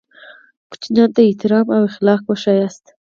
ماشومانو ته احترام او اخلاق وښیاست.